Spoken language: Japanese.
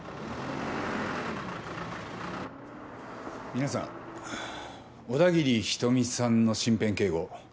皆さん小田切仁美さんの身辺警護